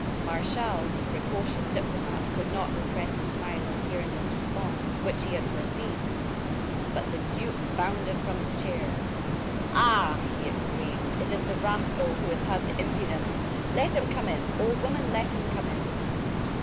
Martial, the precocious diplomat, could not repress a smile on hearing this response, which he had foreseen. But the duke bounded from his chair. "Ah!" he exclaimed, "it is the rascal who has had the impudence Let him come in, old woman, let him come in."